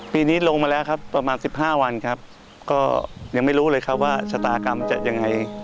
ปีนี้ลงมาแล้วครับประมาณสิบห้าวันครับก็ยังไม่รู้เลยครับว่าชะตากรรมจะยังไง